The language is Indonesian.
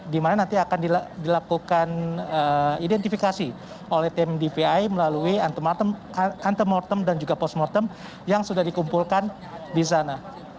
di mana nanti akan dilakukan identifikasi oleh tim dvi melalui antemortem dan juga postmortem yang sudah dikumpulkan di sana